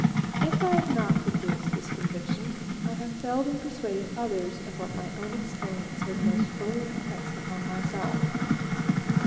If I have not produced this conviction, I have failed in persuading others of what my own experience has most fully impressed upon myself.